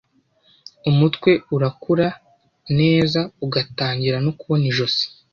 Umutwe urakura neza ugatangira no kubona ijosi,